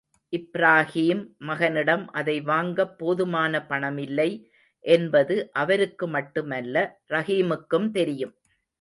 இப்ராஹீம் மகனிடம் அதை வாங்கப் போதுமான பணமில்லை, என்பது அவருக்கு மட்டுமல்ல ரஹீமுக்கும் தெரியும்.